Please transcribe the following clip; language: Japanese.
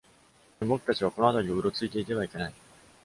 でも僕たちはこの辺りをうろついていてはいけない。